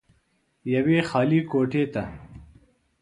يوې خالې کوټې ته